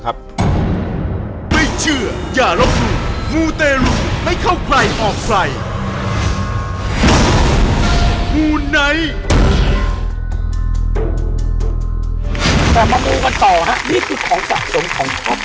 กลับมามือกันต่อฮะนี่คือของสะสมของครอบครัวใช่ไหมครับ